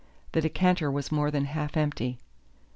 The decanter was more than half empty.